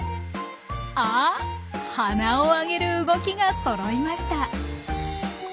あっ鼻を上げる動きがそろいました！